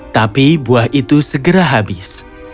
tapi buah itu segera habis